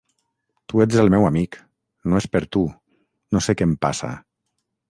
Tu ets el meu amic... no és per tu, no sé què em passa.